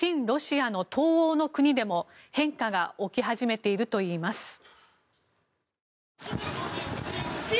ロシアの東欧の国でも変化が起き始めているといいます。